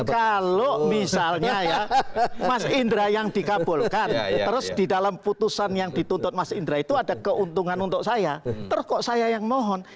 kalau misalnya ya mas indra yang dikabulkan terus di dalam putusan yang dituntut mas indra itu ada keuntungan untuk saya terus kok saya yang mohon